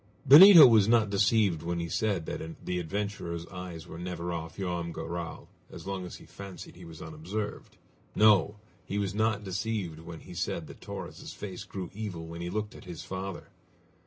Benito was not deceived when he said that the adventurer's eyes were never off Joam Garral as long as he fancied he was unobserved. No! he was not deceived when he said that Torres' face grew evil when he looked at his father!